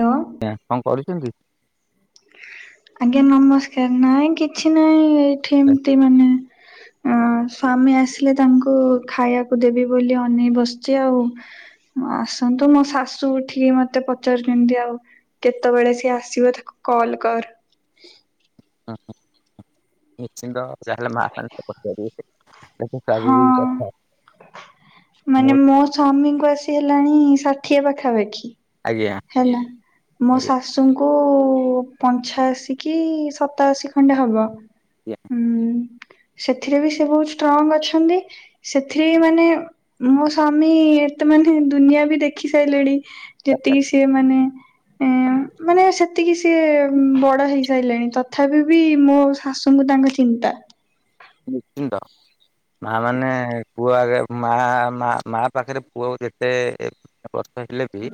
Hello. ଆଜ୍ଞା କଣ କରୁଛନ୍ତି? ଆଜ୍ଞା ନମସ୍କାର ନାଇଁ କିଛି ନାଇଁ ଏଇଠି ଏମତି ମାନେ ଅ ସ୍ଵାମୀ ଆସିଲେ ତାଙ୍କୁ ଖାଇବାକୁ ଦେବି ବୋଲି ଅନେଇ ବସିଛି ଆଉ। ଆସନ୍ତୁ ମୋ ଶାଶୁ ଉଠିକି ମତେ ପଚାରୁଛନ୍ତି ଆଉ କେତେବେଳେ ସିଏ ଆସିବ ତାକୁ କଲ୍ କର। ହଁ ହଁ ନିଶ୍ଚିନ୍ତ ଯାହାହେଲେ ମା ପଚାରିବେ। ଏ ତ ହଁ ସ୍ଵାଭାବିକ କଥା। ମାନେ ମୋ ସ୍ଵାମୀଙ୍କୁ ଆସି ହେଲାଣି ଷାଠିଏ ପାଖାପାଖି। ଆଜ୍ଞା ହେଲା, ମୋ ଶା ଆଜ୍ଞା ଶାଶୁଙ୍କୁ ପଞ୍ଚାଅଶୀ କି ସତାଅଶୀ ଖଣ୍ଡେ ହବ। ଆଜ୍ଞା ହୁଁ ସେଥିରେ ବି ସେ ବହୁତ ଷ୍ଟ୍ରଙ୍ଗ ଅଛନ୍ତି। ସେଥିରେ ମାନେ ମୋ ସ୍ଵାମୀ ଏତେ ମାନେ ଦୁନିଆ ବି ଦେଖି ସାରିଲେଣି। ଏତିକି ସେ ମାନେ ଏ [inaudible] ମାନେ ସେତିକି ସିଏ ବଡ ହେଇସାରିଲେଣି ତଥାପି ବି ମୋ ଶାଶୁଙ୍କୁ ତାଙ୍କ ଚିନ୍ତା। ନିଶ୍ଚିନ୍ତ। ମା ମାନେ ପୁଅ ଆଗେ ମା ମା ମା ପାଖରେ ପୁଅ ଯେତେ ବର୍ଷ ହେଲେ ବି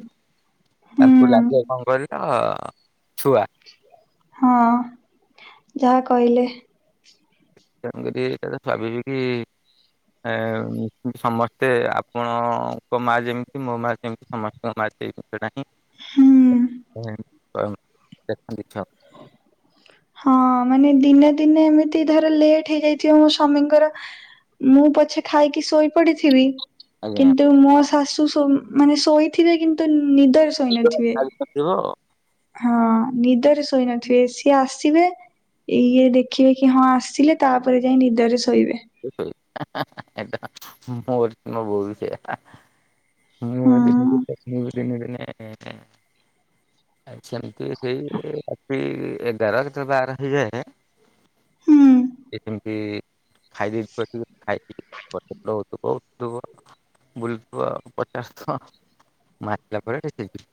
ହୁଁ ତାଙ୍କୁ ଲାଗିବ କଣ କହିଲ ଛୁଆ। ହଁ ଯାହା କହିଲେ। [unintelligible] କି? ଏ ସମସ୍ତେ ଆପଣଙ୍କ ମା ଯେମିତି ମୋ ମା ସେମିତି। ହୁଁ। ସମସ୍ତଙ୍କୁ। [unintelligible] [inaudible] ହଁ ମାନେ ଦିନେ ଦିନେ ଏମିତି ଧର ଲେଟ୍ ହେଇଯାଇଥିବ ମୋ ସ୍ୱାମୀଙ୍କର। ମୁଁ ପଛେ ଖାଇକି ଶୋଇ ପଡିଥିବି। ଆଜ୍ଞା କିନ୍ତୁ ମୋ ଶାଶୁ ସୋ ମାନେ ଶୋଇଥିବେ କିନ୍ତୁ ନିଦ [unintelligible] ଆଉ। ହଁ ନିଦରେ ଶୋଇ ନଥିବେ ସିଏ ଆସିବେ ଇଏ ଦେଖିବେ କି ହଁ ଆସିଲେ ତାପରେ ଯାଇ ନିଦରେ ଶୋଇବେ। [unintelligible] ମୋର ମୋ ବୋଉ ବି ସେୟା। ମୁଁ ଦିନେ ହଁ ଦିନେ ମୁ ବି ଦିନେ ଦିନେ ଆ ସେମିତି ସେଇ ରାତି ଏଗାର କେତେ ବାର ହେଇଯାଏ। ହୁଁ ଏ ଯେମିତି [unintelligible] ବୁଲୁଥିବ ପଚାସ ଥର। [unintelligible]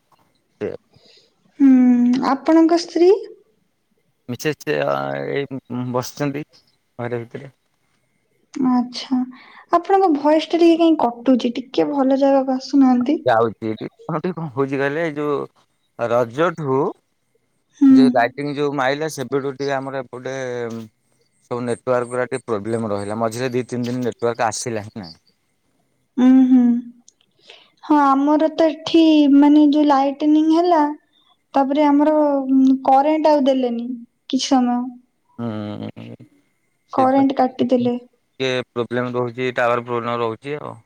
ହୁଁ, ଆପଣଙ୍କ ସ୍ତ୍ରୀ? ମିଛଛେ ଏଇ ବସିଛନ୍ତି ଘରେ ଭିତରେ। ଆଚ୍ଛା ଆପଣଙ୍କ ଭଏସ ଟା ଟିକେ କାହିଁ କଟୁଛି ଟିକେ ଭଲ ଜାଗାକୁ ଆସୁନାହାନ୍ତି। ଯାଉଛି କଣ ଟିକେ କଣ କଉଛି କହିଲେ ଯୋଉ ରଜଠୁ ହୁଁ ଯୋଉ ଗାଇଟି ଯୋଉ ମାଇଲେ ସେ ବିଠୁ ଟିକେ ଆମର ଏପଟେ ଗୋଟେ ସବୁ ନେଟୱାର୍କ ଗୁରା ଟିକେ ପ୍ରୋବ୍ଲେମ ରହିଲା ମଝିରେ ଦି ତିନି ଦିନ ନେଟୱାର୍କ ଆସିଲା ହିଁ ନାହିଁ। ଉଁ ହୁଁ। ହଁ ଆମର ତ ଏଠି ମାନେ ଯୋଉ ଲାଇଟନିଂ ହେଲା। ତାପରେ ଆମର କରେଣ୍ଟ ଆଉ ଦେଲେନି କିଛି ସମୟ। ହୁଁ ସେଇପା। କରେଣ୍ଟ କାଟିଦେଲେ ଟିକେ ପ୍ରୋବ୍ଲେମ ରହୁଛି ଟାୱାର ପ୍ରୋବ୍ଲେମ ରହୁଛି ଆଉ।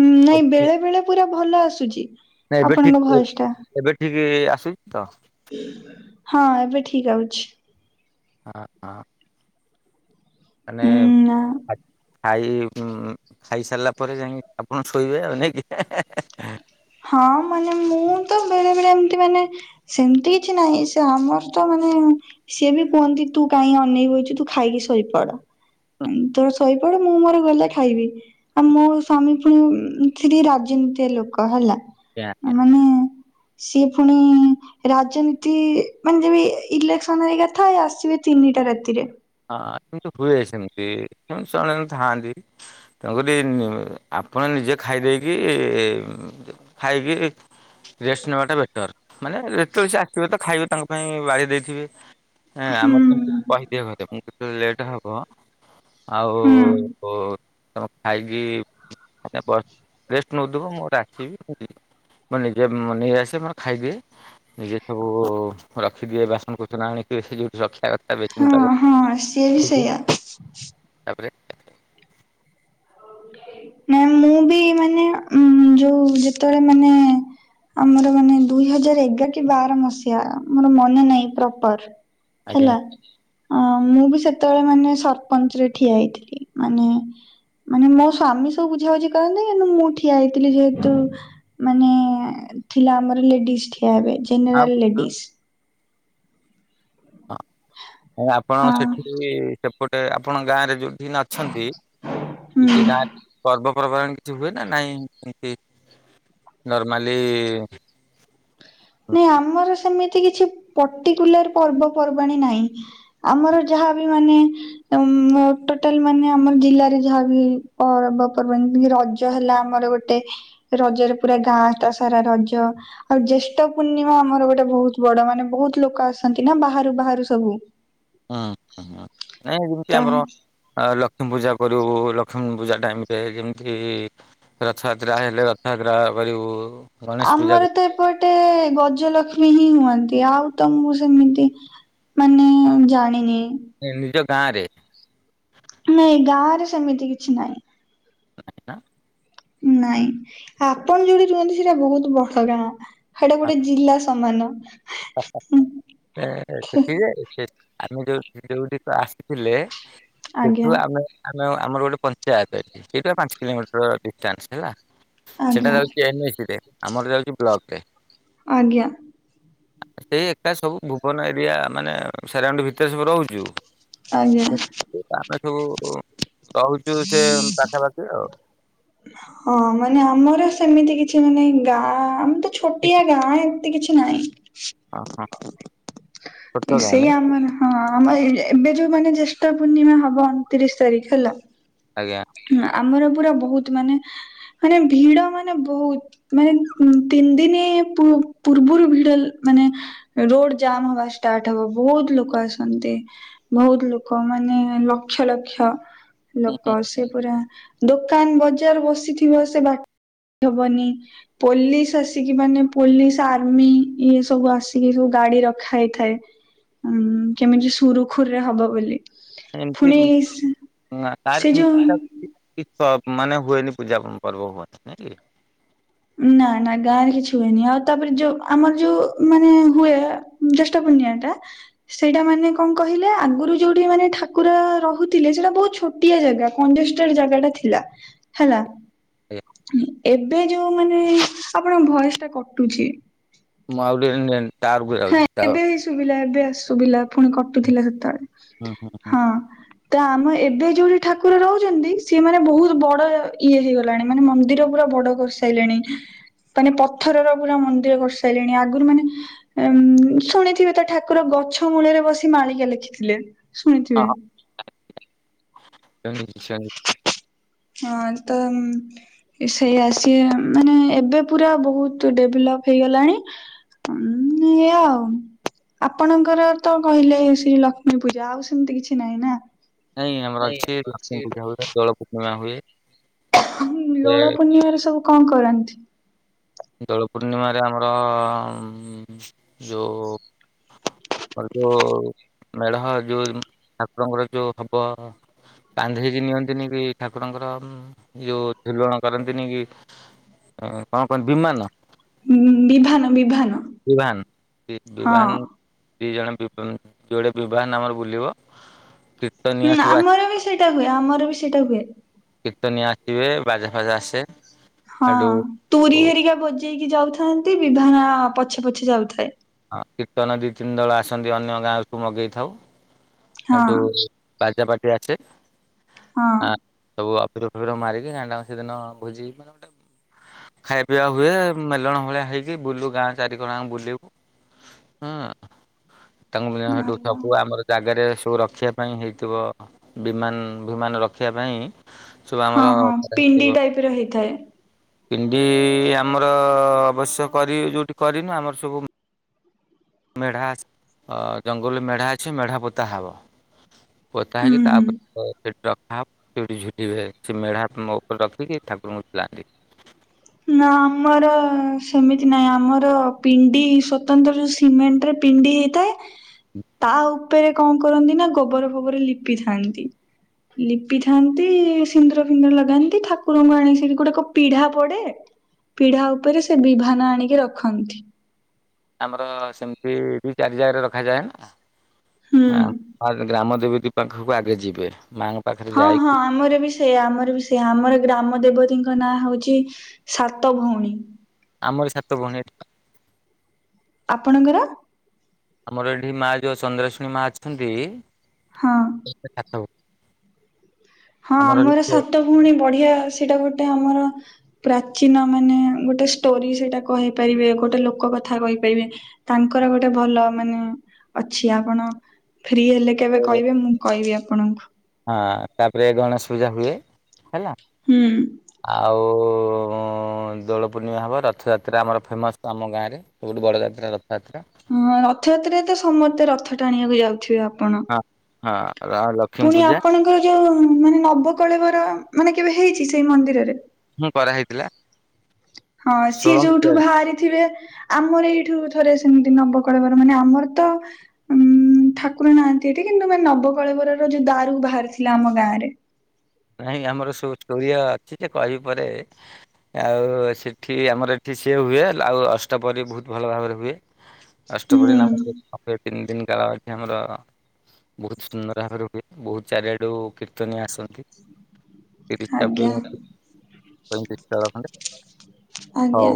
ହଁ ନାଇଁ ବେଳେ ବେଳେ ପୁରା ଭଲ ଆସୁଛି। ନାଇଁ ଏବେ ଆପଣଙ୍କ ଠିକ ଭଏସ ଟା ଏବେ ଠିକ ଆସୁଚି ତ। ହଁ, ଏବେ ଠିକ୍ ଆଉଚି। ହଁ ହଁ ମାନେ ହୁଁ ଆ ଖାଇ ଖାଇସାରିଲା ପରେ ଯାଇକି ଆପଣ ଶୋଇବେ ନାଇକି। ହଁ ମାନେ ମୁଁ ତ ବେଳେ ବେଳେ ଏମ୍ତି ମାନେ ସେମ୍ତି କିଛି ନାହିଁ ସେ ଆମର ତ ମାନେ ସିଏ ବି କୁହନ୍ତି ତୁ କାଇଁ ଅନେଇକି ବଇଚୁ ତୁ ଖାଇକି ଶୋଇପଡ଼। ତୋର ଶୋଇପଡ ମୁଁ ମୋର ଗଲେ ଖାଇବି। ଆଉ ମୋ ସ୍ଵାମୀ ପୁଣି ରାଜନୀତିଆ ଲୋକ ହେଲା। ମାନେ [unintelligible] ସିଏ ଫୁଣି ରାଜନୀତି ମାନେ ଯେମି ଇଲେକ୍ସନ ହେରିକା ଥାଏ ଆସିବେ ତିନିଟା ରାତିରେ। ହଁ, କିନ୍ତୁ ହୁଏ ସେମ୍ତି କେମତି ସେମାନେ ଥାଆନ୍ତି। ତେଣୁ କରି ଆପଣ ନିଜେ ଖାଇଦେଇକି ଖାଇକି ରେଷ୍ଟ୍ ନେବାଟା ବେଟର୍। ମାନେ ଯେତେବେଳେ ସେ ଆସିବେ ତ ଖାଇବେ ତାଙ୍କ ପାଇଁ ବାଢି ଦେଇଥିବେ ହୁଁ ଆମର କହିଦିଏ ଘ କେବେ ଲେଟ୍ ହବ ଆଉ ହୁଁ ଓ ତମେ ଖାଇକି ମାନେ ବ ରେଷ୍ଟ ନଉଥିବୁ ମୁ ଡାକିବି। ମୁଁ ନିଜେ ମୋର ନେଇଆସେ ମୋର ଖାଇଦିଏ। ନିଜେ ସବୁ ରଖିଦିଏ ବାସନ କୁସନ ଆଣିକି ସେ ଯୋଉଠି ରଖିବା କ ହଁ ହଁ ସିଏ ବି ସେୟା। ତାପରେ ନାଇ ମୁଁ ବି ମାନେ ଉ ଯୋଉ ଯେତେବେଳେ ମାନେ ଆମର ମାନେ ଦୁଇ ହଜାର ଏଗାର କି ବାର ମସିହା ମୋର ମନେ ନାହିଁ ପ୍ରପର୍। ଆଜ୍ଞା ହେଲା ମୁଁ ବି ସେତେବେଳେ ମାନେ ସରପଞ୍ଚ ରେ ଠିଆ ହେଇଥିଲି ମାନେ ମାନେ ମୋ ସ୍ୱାମୀ ସବୁ ବୁଝାବୁଝି କରନ୍ତି କିନ୍ତୁ ମୁଁ ଠିଆ ହେଇଥିଲି ଯେହେତୁ ମାନେ ଥିଲା ଆମର ଲେଡିସ୍ ଠିଆ ଏବେ ଜେନେରାଲ୍ ଲେଡିସ୍। ହଁ ଆପଣଙ୍କ ସେଠି ସେପଟେ ଆପଣ ଗାଁରେ ଯୋ ଅଛନ୍ତି ହୁଁ ନିଜ ଗାଁରେ ପର୍ବପର୍ବାଣି କିଛି ହୁଏ ନା ନାଇଁ ଏମ୍ତି ନର୍ମାଲି ନାଇଁ ଆମର ସେମିତି କିଛି ପଟିକୁଲାର୍ ପର୍ବପର୍ବାଣୀ ନାହିଁ। ଆମର ଯାହାବି ମାନେ ଟୋଟାଲ ମାନେ ଆମର ଜିଲ୍ଲାରେ ଝଡି ବିି ପର୍ବପର୍ବାଣି ଯେମିତି ରଜ ହେଲା ଆମର ଗୋ ଟେ ରଜରେ ପୁରା ଗାଁଟା ସାରା ରଜ ଆଉ ଜେସ୍ ଷ୍ଟ ପୂର୍ଣ୍ଣିମା ଆମର ଗୋଟେ ବହୁତ ବଡ ମାନେ ବହୁତ ଲୋକ ଆସନ୍ତି ନା ବାହାରୁ ବାହାରୁ ସବୁ। ହୁଁ, ହୁଁ ନାଇଁ ଯେମ୍ତି ତ ଆମର ଆ ଲକ୍ଷ୍ମୀ ପୂଜା କରିବୁ ଲକ୍ଷ୍ମୀ ପୂଜା ଟାଇମ ରେ ଯେମ୍ତି ରଥଯାତ୍ରା ହେଲେ ରଥଯାତ୍ରା କରିବୁ। ଗଣେଶ ପୂଜା ଆମର ତ ଏପଟେ ଗଜଲକ୍ଷ୍ମୀ ହିଁ ହୁଅନ୍ତି ଆଉ ତ ମୁଁ ସେମିତି ମାନେ ଜାଣିନି। ନାଇଁ ନିଜ ଗାଁ ରେ। ନାଇଁ ଗାଁ ରେ ସେମିତି କିଛି ନାଇଁ। [unintelligible] ନାଇଁ ଆପଣ ଯୋଉଠି ରୁହନ୍ତି ସେଇଟା ବହୁତ ବଡ ଗାଁ ସେଇଟା ଗୋଟେ ଜିଲ୍ଲା ସମାନ। [unintelligible] ଆସ୍ଥିଲେ। ଆଜ୍ଞା ସେଠୁ ଆମେ ଆମର ଗୋଟେ ପଞ୍ଚାୟତ ଏଇଠୁ ପାଞ୍ଚ କିଲୋମିଟର ଡିଷ୍ଟାନ୍ସ ହେଲା। ସେଟା ଆଜ୍ଞା ଯାଉଛି ଏନ୍ ଏ ସି ରେ ଆମର ଯାଉଛି ବ୍ଲକ ରେ। ଆଜ୍ଞା। ସେଇ ଏକା ସବୁ ଭୁବନ ଏରିଆ ମାନେ ସେରାଉଣ୍ଡ ଭିତରେ ସବୁ ରହୁଛୁ। ଆଜ୍ଞା। ଆମେ ସବୁ ରହୁଛୁ ସେ ପାଖାପାଖି ଆଉ। ହଁ ମାନେ ଆମର ସେମିତି କିଛି ମାନେ ଗାଁ ଆମେ ତ ଛୋଟିଆ ଗାଁ ତି କିଛି ନାଇଁ। ଓ ହୋ। ସେଇ ଆମ ର। ହଁ ଆମ ଏବେ ଯୋଉ ମାନେ ଜ୍ୟେଷ୍ଠ ପୂର୍ଣ୍ଣିମା ହବ ଅଣତିରିଶ ତାରିଖ ହେଲା। ଆଜ୍ଞା। ଆମର ପୁରା ବହୁତ ମାନେ, ମାନେ ଭିଡ ମାନେ ବହୁତ। ମାନେ ତିନି ଦିନି ପୂ ପୂର୍ବୁରୁ ଭିଡ ମାନେ ରୋଡ ଜାମ୍ ହବା ଷ୍ଟାର୍ଟ ହବ, ବହୁତ ଲୋକ ଆସନ୍ତି। ବହୁତ ଲୋକ ମାନେ ଲକ୍ଷ ଲକ୍ଷ କ ସେ ପୁରା ଦୋକାନ ବଜାର ବସିଥିବ ସେ ବା ହବନି। ପୋଲିସ ଆସିକି ମାନେ ପୋଲିସ, ଆର୍ମି, ଇଏ ସବୁ ଆସିକି ସବୁ ଗାଡି ରଖା ହେଇଥାଏ। ଉଁ କେମିତି ସୁରୁଖୁରୁରେ ହବ ବୋଲି, ପୁଣି ନା ସେ ତାର ଯୋଉ [unintelligible] ମାନେ ହୁଏନି ପୂଜା ପର୍ବ ହୁଅନ୍ତି ନାଇଁ କେଇ। ନା ନା ଗାଁ ରେ କିଛି ହୁଏନି, ଆଉ ତାପରେ ଯୋଉ ଆମର ଯୋଉ ମାନେ ହୁଏ ଜ୍ୟେଷ୍ଠ ପୁର୍ଣ୍ଣିମା ଟା ସେଇଟା ମାନେ କଣ କହିଲେ ଆଗରୁ ଯୋଉଠି ମାନେ ଠାକୁର ରହୁଥିଲେ ସେଇଟା ବହୁତ ଛୋ ଟିଆ ଜାଗା କଣ୍ଡେଷ୍ଟେଡ ଜାଗା ଟା ଥିଲା, ହେଲା। ଆଜ୍ଞା। ଏବେ ଯୋଉ ମାନେ ଆପଣଙ୍କ ଭଏସ ଟା କଟୁଛି। ମୁଁ ଆ [unintelligible] ହେଁ ଏବେ ହେଇ ଶୁଭିଲା, ଏବେ ଆସ ସୁଭିଲା ପୁଣି କଟୁଥିଲା ହୁଁ ସେତେବେଳେ ହୁଁ ହୁଁ ହଁ। ତ ଆମ ଏବେ ଯୋଉଠି ଠାକୁର ରହୁଛନ୍ତି, ସିଏ ମାନେ ବହୁତ ବଡ ଇଏ ହେଇଗଲାଣି ମାନେ ମନ୍ଦିର ପୁରା ବଡ। କରିସାଇଲେଣି ମାନେ ପଥରର ପୁରା ମନ୍ଦିର କରିସାଇଲେଣି ଆଗରୁ ମାନେ ଏମ୍ ଶୁଣିଥିବେ ତ ଠାକୁର ଗଛ ମୂଳରେ ବସି ମାଳିକା ଲେଖିଥିଲେ, ଶୁଣିଥିବେ? ସୁଣିଚି, ଶୁନିଚି। ହଁ ତ ସେଇଆ ସିଏ ମାନେ ଏବେ ପୁରା ବହୁତ ଡେଭଲପ ହେଇଗଲାଣି। ଉଁ ଏଇଆ ଆଉ। ଆପଣଙ୍କର ତ କହିଲେ ସେଇ ଲକ୍ଷ୍ମୀ ପୂଜା ଆଉ ସେମିତି କିଛି ନାହିଁ ନା? ନାଇଁ ଆମର ଅଛି ଲକ୍ଷ୍ମୀ ପୂଜା ହୁଏ, ଦୋଳ ପୂର୍ଣ୍ଣିମା ହୁଏ। ହୁଁ ଏ ଦୋଳ ପୂର୍ଣ୍ଣିମାରେ ସବୁ କଣ କରନ୍ତି? ଦୋଳ ପୂର୍ଣ୍ଣିମାରେ ଆମର ଯୋଉ ଅ ଯୋ ମାଡମ ଅ ଯୋଉ ଠାକୁରଙ୍କର ଯୋଉ ହବ କାନ୍ଧେଇକି ନିଅନ୍ତିନି କି ଠାକୁରଙ୍କର ଯୋଉ ଝୁଲଣ କରନ୍ତିନି କି? କଣ କହ ବିମାନ। ଉଁ ଉଁ ବିଭାନ, ବିଭାନ। ବିଭାନ, ହଁ। ବିବାନ। ଦି ଜଣ ବିବା ଯୋଡେ ବିଭାନ ଆମର ବୁଲିବ। ହୁଁ କୀର୍ତ୍ତନିଆ ସବୁ ଆସି ଆମର ବି ସେଇଟା ହୁଏ, ଆମର ବି ସେଇଟା ହୁଏ। କୀର୍ତ୍ତନିଆ ଆସିବେ, ବାଜା ଫାଜା ଆସେ। ହଁ ହେଠୁ ଓ ତୁରି ହେରିକା ବଜେଇକି ଯାଉଥାନ୍ତି, ବିଭାନ ପଛେ ପଛେ ଯାଉଥାଏ। ହଁ କୀର୍ତନ ଦି, ତିନି ଦଳ ଆସନ୍ତି ଅନ୍ୟ ଗାଁ ରୁ ମଗେଇଥାଉ। ହଁ ହେଟୁ ବାଜାପାଟି ଆସେ। ହଁ। ଆ ସବୁ ଅଭିର ଫଭିର ମାରିକି ଗାଁ ଟା ଯାଙ୍କ ସେଦିନ ଭୋଜି ମାନେ ଗୋଟେ ଖାଇଆ ପିଇବା ହୁଏ ମେଲଣ ଭଳିଆ ହେଇକି ବୁଲୁ ଗାଁ ଚାରି କର ଯାଙ୍କ ବୁଲିବୁ। ହୁଁ ତାଙ୍କୁ [unintelligible] ଭଲ ସବୁ ଆମର ଜାଗାରେ ସବୁ ରଖିଆ ପାଇଁ ହେଇଥିବ ବିମାନ୍ ବିମାନ ରଖିଆ ପାଇଁ ସବୁ ହଁ ଆମର ହଁ କରା ପିଣ୍ଡି ହେଇଥିବ। ଟାଇପ ର ହେଇଥାଏ। ପିଣ୍ଡି ଆମର ଅବଶ୍ୟ କରି ଯୋଉଠି କରିନୁ ଆମର ସବୁ ମେଢା ଅସ୍ ଜଙ୍ଗଲରୁ ମେଢା ଅଛି ମେଢା ପୋତା ହବ। ପୋତା ହୁଁ ହେଇକି ହୁଁ। ତାପରେ ତ ସେଠୁ ରଖା ହବ ସେଇଠି ଝୁଲିବେ ସେ ମେଢା ମୋ ଉପରେ ରଖିକି ଠାକୁରଙ୍କୁ ଝୁଲାନ୍ତି। ନା ଆମର ସେମିତି ନାହିଁ ଆମର ପିଣ୍ଡି ସ୍ଵତନ୍ତ୍ର ଯୋଉ ସି ସିମେଣ୍ଟରେ ପିଣ୍ଡି ହେଇଥାଏ ତା ଉ ଉପରେ କଣ କରନ୍ତି ନା ଗୋବର ଫୋବର ଲିପିଥାନ୍ତି। ଲିପି ଥାନ୍ତି ସିନ୍ଦୁର ଫିନ୍ଦୁର ଲଗାନ୍ତି ଠାକୁରଙ୍କୁ ଆଣି ସେଠି ଗୋଟେ କ ପିଢା ପଡେ। ପିଢା ଉପରେ ସେ ବିଭାନ ଆଣିକି ରଖନ୍ତି। ଆମର ସେମତି ବି ଚାରି ଜାଗାରେ ରଖାଯାଏ ନା ଆ। ହୁଁ। ଫାଷ୍ଟ ଗ୍ରାମ ଦେବତୀ ପାଖକୁ ଆଗେ ଯିବେ ମାଆଙ୍କ ପାଖରେ ହଁ ହଁ ଯାଇକି ଆମର ବି ସି ସେଇଆ ଆମର ବି ସେଇଆ ଆମର ଗ୍ରାମ ଦେବତୀଙ୍କ ନାଁ ହୋଉଚି ସାତ ଭୋଉଣୀ। ଆମର ସାତ ଭଉଣୀ ଏଠି ନା ଆପଣଙ୍କର? ଆମର ଏଠି ମା ଯୋଉ ଚନ୍ଦ୍ରାଶୁଣୀ ମା ଅଛନ୍ତି ହଁ। [unintelligible] ହଁ ଆମର ସାତ ଭୋଉଣୀ ବଢିଆ ସେଇଟା ଗୋଟେ ଆମର ପ୍ରାଚୀନ ମାନେ ଗୋଟେ ଷ୍ଟୋରି ସେଇଟା କହିପାରିବେ ଗୋଟେ ଲୋକ କଥା କହିପାରିବେ। ତାଙ୍କର ଗୋଟେ ଭଲ ମାନେ ଅଛି ଆପଣ ଫ୍ରି ହେଲେ କେବେ କହିବେ ମୁଁ କହିବି ଆପଣଙ୍କୁ। ହଁ ତାପରେ ଗଣେଶ ପୂଜା ହୁଏ ହେଲା। ହୁଁ। ଆଉ ହୁଁ ଦୋଳପୂର୍ଣ୍ଣିମା ହେବ ରଥଯାତ୍ରା ଆମର ଫେମସ୍ ଆମ ଗାଁରେ ସବୁଠୁ ବଡ଼ ଯାତ୍ରା ରଥଯାତ୍ରା। ହଁ ରଥଯାତ୍ରାରେ ତ ସମସ୍ତେ ରଥ ଟାଣିବାକୁ ଯାଉଥିବେ ଆପ ହଁ ହଁ ର ଲକ୍ଷ୍ମୀ ପୂଜା। ତାଙ୍କର ଯୋଉ ମାନେ ନବକଳେବର ମାନେ କେବେ ହେଇଚି ସେଇ ମନ୍ଦିରରେ? ହୁଁ କରାହେଇଥିଲା। ହଁ ସିଏ ଷୋଳ ଯୋଉଠୁ ବାହାରିଥିବେ ଆମର ଏଇଠୁ ଥରେ ସେମତି ନବକଳେବର ମାନେ ଆମର ତ ଉଁ ଠାକୁର ନାହାନ୍ତି ଏଠି କିନ୍ତୁ ମାନେ ନବକଳେବରର ଯୋଉ ଦାରୁ ବାହାରିଥିଲା ଆମ ଗାଁ ରେ। ନାଇଁ ଆମର ସବୁ ଷ୍ଟୋରିଆ ଅଛି ଯେ କହିବି ପରେ। ଆଉ ସେଠି ଆମର ଏଠି ସିଏ ହୁଏ ଆଉ ଅଷ୍ଟପହରି ବୋହୁତ ଭଲ ଭାବରେ ହୁଏ। ଅଷ୍ଟପ୍ରହରି ହୁଁ। ନାମ [unintelligible] ତିନ ଦିନ କାଳ ଏଠି ଆମର ବୋହୁତ ସୁନ୍ଦର ଭାବରେ ହୁଏ। ବୋହୁତ ଚାରିଆଡୁ କୀର୍ତ୍ତନୀଆ ଆସନ୍ତି। ତିରିଶଟା ବି ଆଜ୍ଞା ପଇଁତିରିଶଟା ଖଣ୍ଡେ ହଉ। ଆଜ୍ଞା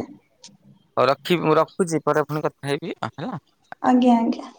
ହୋଉ ରଖିବି ମୁଁ ରଖୁଚି ପରେ ପୁଣି କଥା ହେବି ହେଲା। ଆଜ୍ଞା ଆଜ୍ଞା।